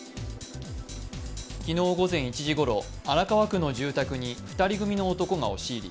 昨日午前１時ごろ、荒川区の住宅に２人組の男が押し入り